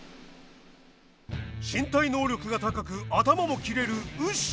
身体能力が高く頭も切れるウシ。